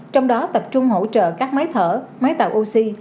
trong đó tập trung hỗ trợ các máy thở máy tạo oxy